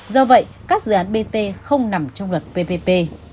do vậy các dự án bt không nằm trong luật ppp